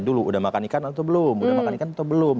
dulu udah makan ikan atau belum udah makan ikan atau belum